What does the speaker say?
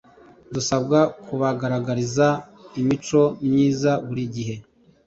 Dusabwa kubagaragariza imico myiza buri gihe